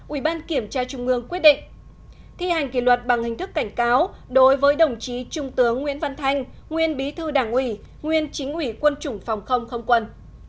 ủy ban kiểm tra trung ương quyết định thi hành kỷ luật bằng hình thức cảnh cáo đối với đồng chí trung tướng nguyễn văn thanh nguyên bí thư đảng ủy nguyên chính ủy quân chủng phòng không không quân